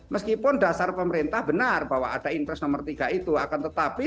meskipun dasar pemerintah benar bahwa ada interest nomor tiga itu akan tetapi